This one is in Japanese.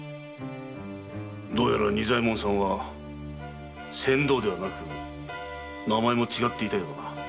どうやら仁左衛門さんは船頭ではなく名前も違っていたようだな。